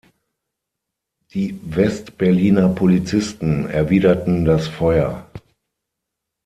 Die West-Berliner Polizisten erwiderten das Feuer.